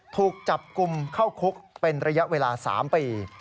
ถูกจับกลุ่มเข้าคุกเป็นระยะเวลา๓ปี